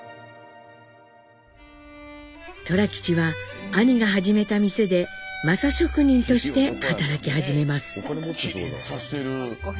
寅吉は兄が始めた店で柾職人として働き始めます。